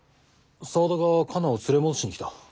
沢田がカナを連れ戻しに来た。